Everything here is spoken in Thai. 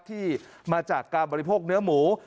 ที่มาจากการบริโภคเนื้อหมู